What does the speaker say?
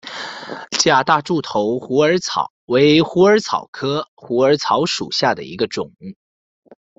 假大柱头虎耳草为虎耳草科虎耳草属下的一个种。